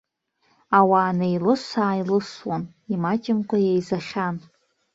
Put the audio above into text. Ауаа неилыс-ааилысуан, имаҷымкәа еизахьан.